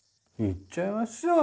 行っちゃいましょう。